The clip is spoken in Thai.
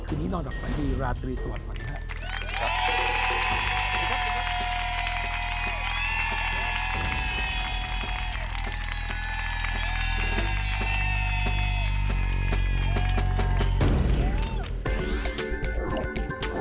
คืนนี้นอนหลับฝันดีราตรีสวัสดีครับ